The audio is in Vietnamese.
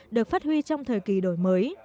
được phát huy trong thời kỳ đổi mới